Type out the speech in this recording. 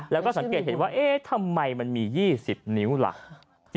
แล้วก็สังเกตเห็นว่าเอ๊ะทำไมมันมี๒๐นิ้วล่ะ